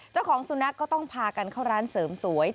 เจ้าของสุนัขก็ต้องพากันเข้าร้านเสริมสวย